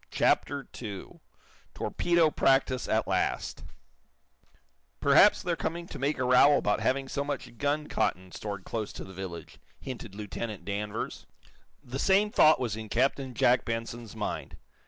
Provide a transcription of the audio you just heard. CHAPTER II TORPEDO PRACTICE AT LAST "Perhaps they're coming to make a row about having so much gun cotton stored close to the village," hinted Lieutenant Danvers. The same thought was in Captain Jack Benson's mind.